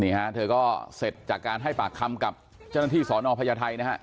ฮะเธอก็เสร็จจากการให้ปากคำกับเจ้าหน้าที่สอนอพญาไทยนะฮะ